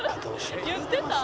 「言ってた？」